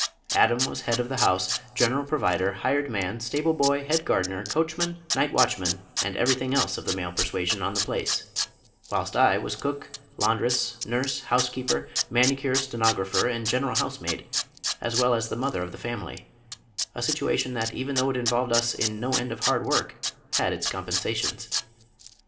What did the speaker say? Adam was head of the house, general provider, hired man, stable boy, head gardener, coach man, night watchman and everything else of the male persuasion on the place; whilst I was cook, laundress, nurse, housekeeper, manicure, stenographer, and general housemaid, as well as the mother of the family a situation that even though it involved us in no end of hard work, had its compensations.